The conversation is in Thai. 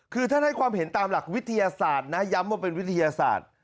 คือท่านให้ความเห็นตามหลักวิทยาศาสตร์นะย้ำว่าเป็นวิทยาศาสตร์